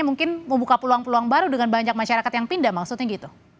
mungkin membuka peluang peluang baru dengan banyak masyarakat yang pindah maksudnya gitu